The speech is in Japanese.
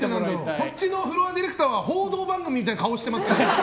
こっちのフロアディレクターは報道番組みたいな顔してますけど。